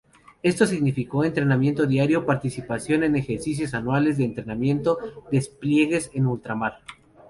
Esto significó entrenamiento diario, participación en ejercicios anuales de entrenamiento, despliegues en ultramar.